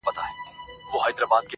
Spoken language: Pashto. وايي نسته كجاوې شا ليلا ورو ورو-